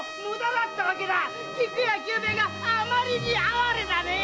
菊屋久兵衛があまりに哀れだね！